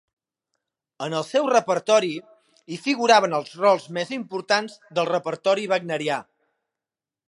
En el seu repertori hi figuraven els rols més importants del repertori wagnerià.